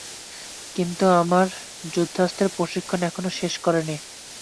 কিন্তু আমরা যুদ্ধাস্ত্রের প্রশিক্ষণ এখনও শেষ করিনি।